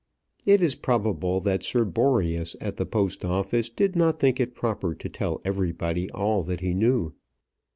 It is probable that Sir Boreas at the Post Office did not think it proper to tell everybody all that he knew.